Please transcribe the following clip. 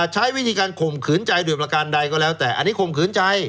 ใช้วิธีการข่มขืนใจโดยประการใดก็แล้วแต่อันนี้ข่มขืนใจ